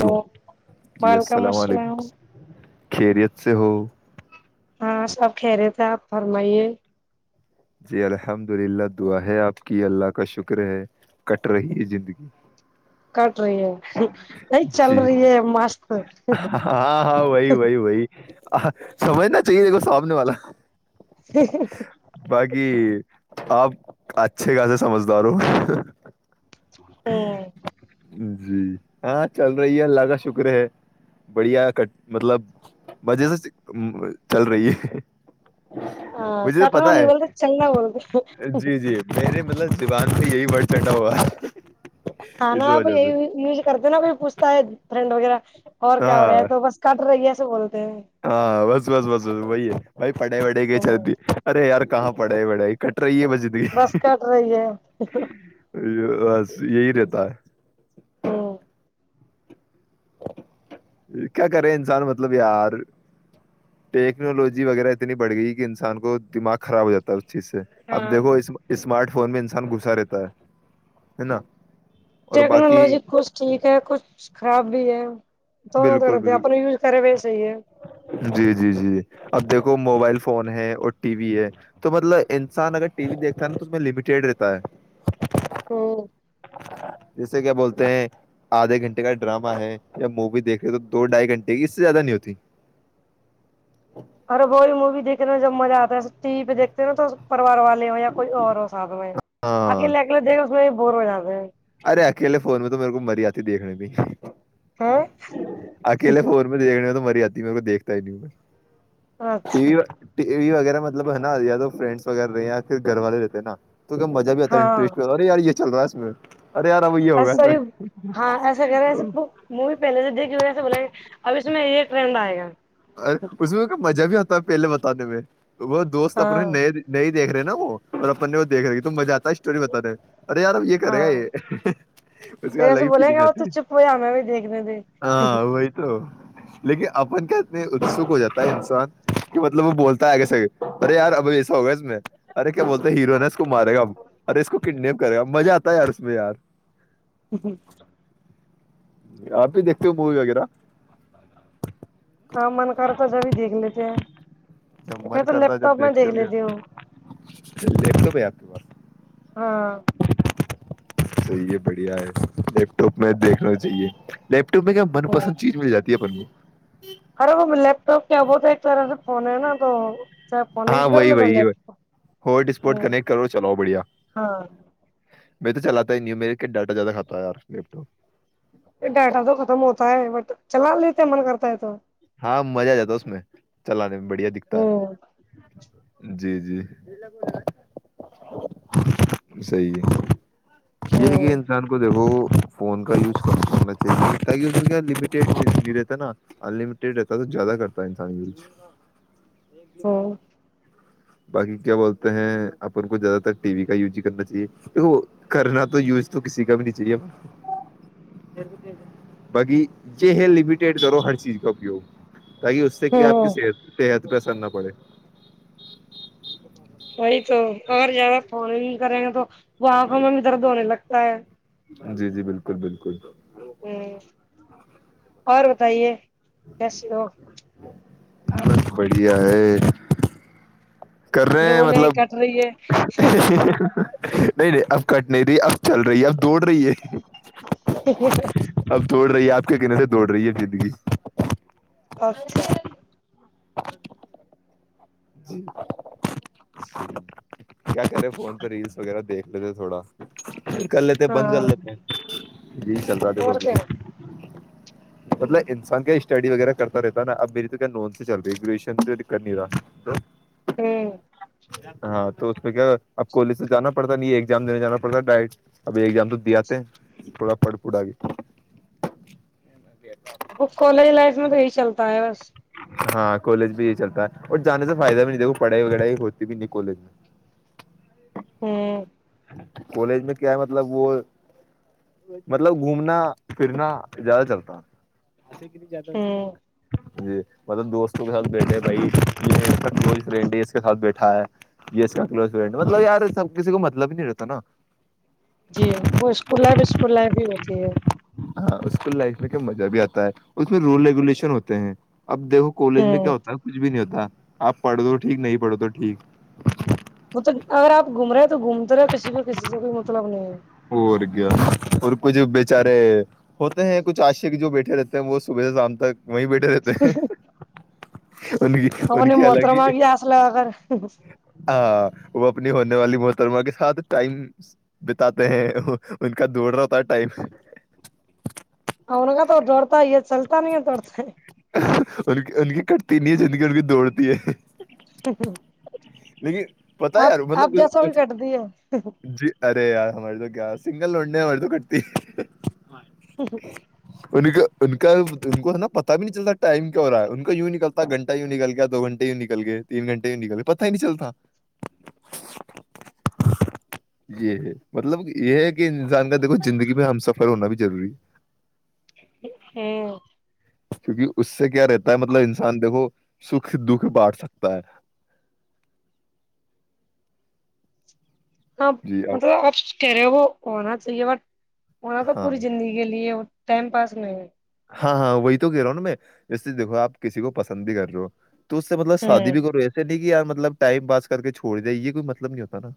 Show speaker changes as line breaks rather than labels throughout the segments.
تو
جی
وعلیکم
علیکم
السلام
خیریت سے ہو
ہاں سب کہہ رہے تھے آپ فرمائیے
جی الحمد للہ دعا ہے آپ کی اللہ کا شکر ہے کٹ رہی ہے زندگی
کٹ رہی ہے نہیں چل
جی
رہی ہے مست
ہاں ہاں وہی وہی وہی سمجھنا چاہیے د کو سامنے والا
س
کہ آپ اچھے خاصے سمجدار ہو
ہوں
ہ جی ہاں چل رہی ہے اللہ کا شکر ہے بڑھیا ک مطلب مزے سے چل رہی ہے
ہ
مجھے
کٹر
پتا ہے
نہیںگولد چنا ہوولد
جی جی میرے مطلب زبان پ یہی بڑ ٹنھا ہوا ہے ج [inaudible]
ہاں نا آپ یہی یوز کرتے نا کوئی پوچھتا ہے فرینڈ وغیرہ اور کیا ہو
ہاں
رہا ہے تو بس کٹ رہی ہے ول
ہاں بس بس بس بس بی بائی پڑائی پڑے گئی
ہوں
چلتی ارے یار کہاںڑے ہے بڑائی ک
بس کرٹ رہی ہے
یہی رہتا ہے
ہوں
ایک کیا کرے انسان مطلب یار ٹیکنالوجی وغیرہ اتنی بڑھ گئی کہ انسان کو دماغ خراب ہو جاتا ہے اس چیز سے اپ
ہاں
دیکو اسمارٹ فون انسان گھسا رہتا ہے ہے نا اور باقی
ٹیکنالوجی کچھ ٹھیک ہے کچھ خراب بھی ہے تو نہ
بالکل
توتے
بالکل
اپنے یوز کرے بیس ہی ہے
جی جی جی اب دیکھو موبائل فون ہے اور ٹی وی ہے تو مطلب انسان اگر ٹی وی دیکھتا ہے نا تو اس میں لمیٹیڈ رہتا ہے
ہاں
جیسے کیا بولتے ہیں آدھے گھنٹے کا ڈراما ہے یا مووی دیکھ رہے تو دو ڈھائی گھنٹے اس سے زیادہ نہیں ہوتی
ارے ب موی دیکھناا جا مزہ آتا ہے ٹی وی پہ دیکتے ہیں نا تو پوار والے ہو یا کوئی اور ہو سادھ ہو آکی
ہاں
ل کے لو دیک بور ہو جا ہے
ارے اکیلے فون میں تو میرے کو مری آتی دیکھنے میں
ہاں [unintelligible]
اکیلا فون میں دیکھنے میں تو مریاد میں دیکھتا ہی نہیں ہ میں [unintelligible] ٹی
اچھا
وی ٹی وی وغیرہ مطلب ہے نا یا تو فرینڈس وغیر رہے یا پھر گھر والے رہتے نا توون کیا مزہ بھی آتا ہے انٹ
ہاں
ی یہ چل رہا ہے ہی
ایسا ہی ہاں ایسا کر رہے ایسے می پہلے سے دیکھ ہوئے بولیں گے اب اس میں یہ ٹرین ب آئے گا
ا اس میں مزہ بھی ہوتا پہلے بتا دیں میں وہ دوست اپنے
ہاں
نئے نئی دیکھے ہیں نا وہ اور اپنے وہ دیک رہے ہیں کہ تم مزہ آتا اسٹور بتا رہے ارے یار اب یہ کرے
ہاں
گا یہ اس
تو
کا الگ
ایسے
ہی
بولیں
فیلگ
گے وہ
آتی
تو
ہے
چپ ہو یا ہمیں بھی دیکھنے دے
ہاں وہی تو لیکن اپن کیا اتسک ہو جاتا ہے انسان کہ مطلب وہ بولتا ہے کیسے ارے یار ابھی ایسا ہوگا اس میں ارے کیا بول ہیں ہیرو نا اس کو مارے گا اور اس کو کڈنیپ کرے گا مزہ آتا کتارس ب یار [unintelligible]
ہ [unintelligible]
آپ بھی دیکھتے ہو مووی وغیرہ
ہاں من کرتا جبھی دیکھ لیتے ہیں
جب
میں
من
تو
کرتا ہے
لیپ ٹاپ
جب
میں
دیکھتے ہو
دیکھ
گے
لیتی ہوں
لیپ ٹاپ ہے
ہاں
صحی ہے بڑھیا ہے لیپ ٹاپ میں دیکھنا ہوں چاہے لیپٹ
ارے وہ لیپ ٹاپ کیا بتا ایک طرح سے [unintelligible] فنے ہے نا تو جب [unintelligible]
ہاں وہی وہی ہے ہوٹ اسپوٹ
ہوں
کنیکٹ کرو چلو بڑیا
ہاں
میں تو چلاتا ہی نہیںی میرے کیا ڈاٹا زیادہ کھا ار لیپ ٹاپ
ڈاٹا تو ختم ہوتا ہے بٹ چلا لیتے من کرتا ہے تو
ہاں مزہ آ جاتا اس میں چلانے میں بڑھیا دکھتا
ہوں
ہے جی جی صی ہے یہ یہ
ہوں
انسان کو دیکھو فون کا یوز کر سنا چاہیےاکہڈ بھی رہتا ہے نا رہتا ہے تو زیادہ کرتا ہے انسان کےچ
ہوں
باقی کیا بولتے ہیں اپن کو زیادہ تر ٹی وی کا یوز ہی کرنا چاہیے دیک کرنا تو یوز تو کسی کا بھی نہیں چاہیے باقی ج ہے لمیٹیڈ کرو ہر چیز کا اپیوگ تاکہ اس سے کیا آپ کی
ہوں
صحت صحت پیسند نہ پڑے [unintelligible]
وہی تو اگر زیادہ پھانی کریں گے تو [unintelligible] وہ ک مم طرح دون لا س [inaudible]
جی جی بالکل بالکل
ہوں اور بتائیے کیسیے ہو آپ
بت بڑیا ہے کر
پھر
رہے ہیں
بولے
مطلب
کٹ رہی ہے
نہیں نہیں اب کٹ نہیں رہی اب چل رہی [unintelligible] رہی ہے اب دوڑ رہی ہے اب دوڑ رہی ہے آپ [inaudible] کے گنے سے دوڑ رہی ہے زندگی
اچھا [inaudible]
جی کر رہے فون پہ ریلس وغیرہ دھے ک تھوڑا کر لیتے بند
ہاں
کر لیتے جی چل رہا
اور
دیکھوبھی
کیا
مطلب انسان کیا اسٹڈی وغیرہ کرتا رہتا نا اب میری تو کیا نان سے چل رہی ہے گریجویشن تو کر نہیں رہا تو
ہوں
ہاں تو اس کیا اب کالج سے جانا پڑتا ن ایگام دینے جانا پڑتا ڈائرٹ اب یہ ایگزام تو دیاتے تھوڑا پڑ پڑا
وہ کالج لائف میں تو یہی چلتا ہے بس
ہاں کالج بھی یہی چلتا ہے اور جانے سے فائدہ بھی نہیں دیکھو پڑھائی وڑائی ہوتی بھی نہیں کالج میں
ہوں
کالج میں کیا ہے مطلب وہ مطلب گھومنا پھرنا زیادہ چلتا ہے ایسے کتنی زیادہ
ہوں
جی [unintelligible] مطلب دوستوں کے ساتھ بیٹھے بھائی یہ ف اس سھ بیٹھا ہے یہ کا کز فری مطلب یار سب کسی کو مطلب بھی نہیں رکھتا تو نا
جی وہ اسکول اسکول لائ ہی ہوتی ہے
ہاں اس کو لائف میں کیا مزہ بھی آتا ہے اس میں رول ریگولیشن ہوتے ہیں اب دیکھو کالج میں کیا
ہوں
ہوتا ہے کچھ بھی نہیں ہوتا آپ پڑھ دو ٹھیک نہیں پڑھ دو ٹھیک
مطلب اگر آپ گھوم رہے ہیں تو گھومتے رہے کسی کو کسی سے کوئی مطلب نہیں ہے
اور کیا اور کچھ بیےچارے ہوتے ہیں کچھ آشے کے جو بیٹھے رہتے ہیں وہ صبح سے شام تک وہیں بیٹھے رہتے ان کی
ا اپ
ان
نے
کی
متر
الگ ہی
مگی آس ل آغ
ہاں وہ اپنی ہونے والی محترما کے ساتھ ٹائم آ ہیں ان کا دوڑ رہا ہوتا ہے ٹائم
ان کا تو دوورتاا یہ چلتا ت توتے ہیں
ان کی ان کی کٹتی نہیں ہے جند کی ان کی دوڑتی ہے
[inaudible]
لیکن پتا ہے
آپ
یار
آپ جیسا
مطلب
بھی کٹ دیے ہوں
جی ارے یار ہماریے تو کیاس سنگل لڈنے مرد کٹتی انک ان کا ان کو نا پتا بھی نہیں چلتا ٹائم کیا ہو رہا ان کا یوں نکلتا گھٹہ یوں نکلیا دو گھنے وں نکل گئے تینھنٹے ی نکل گے نہیں چلتا یہ مطلب یہ انسان کا دھو زندگی میں ہم سفر ہونا بھی ضروری
ہاں
کیونکہ اس سے کیا رہتا ہے مطلب انسان دیکھو سکھ دکھ بانٹ سکتا ہے
ہاں
جی
م کہہ رہے ہو وہ ہونا چاہیے بٹ وہاں تو
ہاں
پوری زندگی کے لیے ٹم پاس نہیں ہے
ہاں ہاں وہی تو گہ رہا ہوں نا میں جیس سے دیکھو آپ کسی کو پسند بھی کر رہے ہو تو اس سےطلب شادی
ہوں
بھی کرو ایسے نہیں کہ ار مطلب ٹائم پاس کر کے چھوڑ دیا یہ کوئی مطلب نہیں ہوتا نا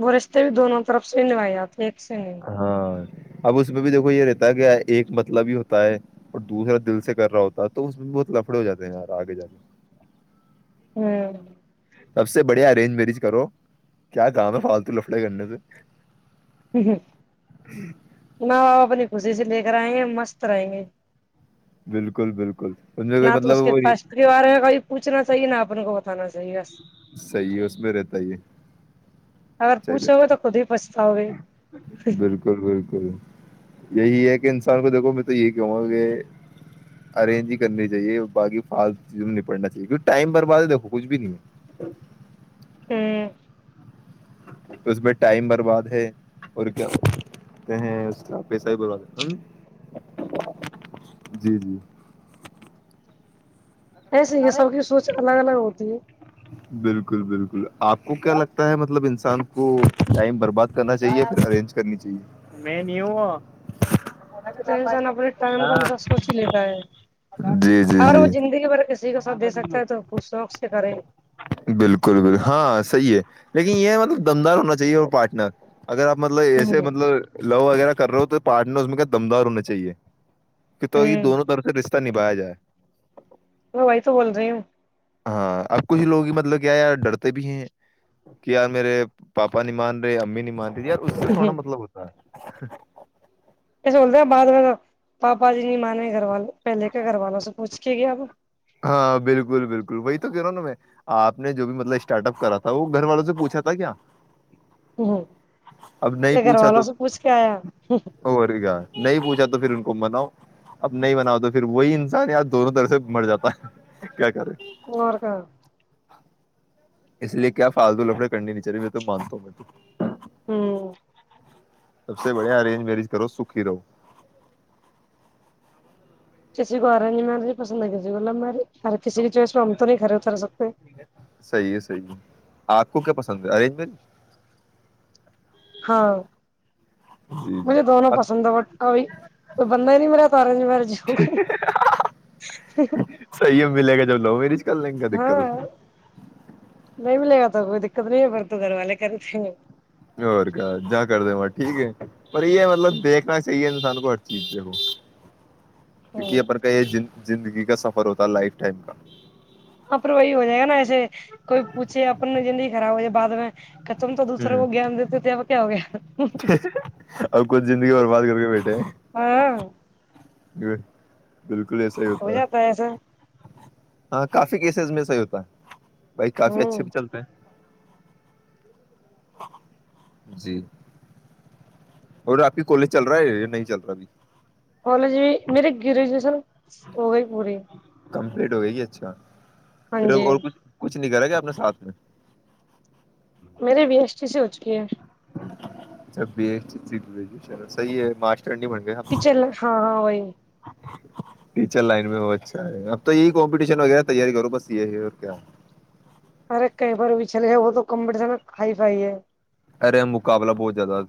وہ رشتے بھی دونوں طرف سے نھائے جاتے ہیں یکس ہیں
ہاں اب اس میں بھی دیکھو یہ رہتا ہے کہ ایک مطلب ہی ہوتا ہے اور دوسرا دل سے کر رہا ہوتا ہے تو اس میں بھی بہ لفڑے ہو جاتے ہیں یار آگے جا کے
ہوں
سب سے بڑھیا ارینج مریج کرو کیا کام ہے فالتو لفڑے کرنے سے
اپنی خوشی سے لے رہیں گے مست رہیں گے
بالکل بالکل اس میں کوئی
نہ تو
مطلب
اس کے
وہ نہیں-
فشریوار کاب پوچنا چاہیے نا اپنے کو سانناا چاہیےس
صحیح ہے اس میں رہتا ہی
اگر پوچھو گے تو خود ہی پچھتاؤ گے
بالکل بالکل یہی ہے انسان کو دیکھو میں تو یہی کہوں گا کہ ارینج ہی کرنی چاہیے باقی فال چیزوں نپٹنا چاہیے کی ٹائم برباد ہے دیکھو کچھ بھی نہیں ہے
ہ
اس پہ ٹائم برباد ہے اور کیاتے ہیں اس کا پیسہ بھی برباد جی جی
ایسے ہی یہ سب کی سوچ الگ الگ ہوتی ہے
بالکل بالکل آپ کو کیا لگتا ہے مطلب انسان کو ٹائم برباد کرنا چاہیے یا پھر ارینج کرنی چاہیے
تو انسان اپنے ٹائم کا انسار سوچ ہی لیتا ہے
جی جی
اگر
جی
وہ زندگی بھر کسی کا ساتھ دے سکتا ہے تو کچھ شوق سے کرے
بالکل بالکل ہاں ہاں صحیح ہے لیکن یہ ہے مطلب دمدار ہونا چاہیے اور پارٹنر اگر آپ مطلب
ہوں
ایسے
ہوں
مطلب لو وغیرہ کر رہے ہو تو پارٹنر اس میں کا دمدار ہونا چاہیے کہ تو یہ دونوں طرف سے نبھایا جائے
وہ بائی تو بول رہی ہوں
ہاں اب کچھ لوگ ہی مطلب کیا یار ڈرتے بھی ہیں کہ یار میرے پاپا نہیں مان رہے امی نہیں مان رہے یار اس سے سونا مطلب ہوتا ہے [inaudible]
پسول د بعد میں پاپا جی نہیں مانے گوا ل پہل کیا گ والا سےوچھ ھیک آپ
ہاں بالکل بالکل وہی تو کہہ رہا ہوں نا میں آپ نے جو بھی مطلب اسٹارٹ اپ کرا تھا وہ گھر والوں سے پوچھا تھا کیا
ہ
اب
ا
نہیں
گھر
پوچھا تو
والوں سے پوچھ کے آیا
اور کیا نہیں پوچھا تو پھر ان کو مناؤ اب نہیں مناؤ تو پھر وہی انسان یاار دونوں طرح سے مر جاتا کیا کرے [unintelligible]
اور کا
اس لیے کیا فالتو لفڑے کرنے ن چاہے میں تو مانتا ہوں میں
ہوں
سب سے بڑھیا ارینج میرج کرو سکھی رہو
کسی کوای مار پسند ہے کیسی گلہ ماری ار کسی بھی چوائس میں ہم تو نہیں گھرے اتر سکتے
صحیح ہے صحیح ہے آپ کو کیا پسند ہے ارینجمری
ہاں
جی
مجھے دونوں
اب
پسند ہے بٹ ابھی کوئی بندہ ہی نہیں میرے تارے نہیں مے ج ہو گئی
دکل لیں گا
ہاں
دقل
نہیں ملے گا تو کوئی دقت نہیں ہے پر تو گھر والے کرے تھے
کا جا کر د ما ٹھیک ہے پر یہ ہے مطلب دیکھنا چاہیے انسان کو ہر چیز سے وہ کیونک
ہوں
یہ پر کا یہ جن زندگی کا سفر ہوتا ہے لائف ٹائم کا
ہاں پر وہی ہو جائے گا نا ایسے کوئی پوچھے اپن زندگی خراب ہو جائے بعد میں ختم تو دوسرے کو گان دیتے ہو تھےپ کیا ہو گیا
اب کچھ زندگی برباد کر
ہاں
ج بالکل ایسا ہی ہوتا
ہو
ہے
جاتا ایسا
ہاں کافی کیسز میں صحی ہوتا ہے بھائی کافی اچھے
ہوں
پہ چلتے ہیں جی اور آپ کی کالج چل رہا ہے یا نہیں چل رہا بھیب
کالج بھی میری گریجوشن ہو گئی پوری
کمپلیٹ ہوگ گی اچھا
ہاں
پھر
جی
اور کچھ کچھ کچھ نہیں کرا گ اپنے ساتھ میں
میرریے بی ایس ٹی سی ہو چکی ہے
اح ہےا
کچن ہاں ہاں وہی
ٹیچر لائن میں وہ اچھا ہے اب تو یہی کمپٹیشن وغیرہ تیاری کرو بس یہ ہے اور کیا
ارے کئی پر وچھل ہے وہ تو کمپٹیشن کائی پائی ہے
ارے مقابلہ بہت زیادہ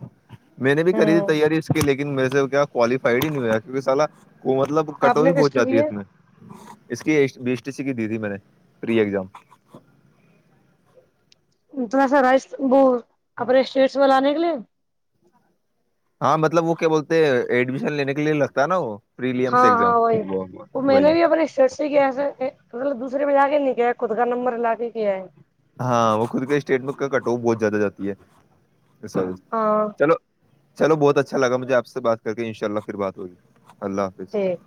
میں نے بھی کری تھی
ہوں
تیاری اس کے لیے میں سے کیا کوالیفائڈ ہی نہیں ہوا کیک سالا وہ مطلب
آپ نے
کٹوتیی
کس
پہنچ
کی
جاتی
کی
ہے اس میں اس کی کی دی تھی میں نے پری ایگزام
توا سا رائس اب لانے کے لیے
ہاں مطلب وہ کیا بولتے ہیں ایڈمیشن لینے کے لیے لگتا ہے نا وہ پریلیمس
ہاں
ایگزام
ہاں وہی وہ میں
وہی
نے بھی اپنے شر سے کی ایس مطلب دوسرے پہ جا کے نہیں گیا خود کا نمبر لا کے ہے
ہاں وہ خود کے اسٹیٹ میں کٹو بہت زیادہ جاتی ہے
ہاں
چلو چلو بہت اچھا لاجھے آپ سے بات کر کے ان شاء اللہ پھر بات ہوگی اللہ حافظ
ٹھیک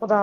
ادا